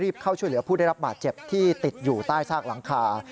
เข้าช่วยเหลือผู้ได้รับบาดเจ็บที่ติดอยู่ใต้ซากหลังคา